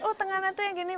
oh tenganan itu yang gini